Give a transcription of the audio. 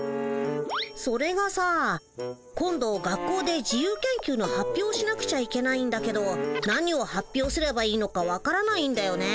それがさ今度学校で自由研究の発表をしなくちゃいけないんだけど何を発表すればいいのかわからないんだよね。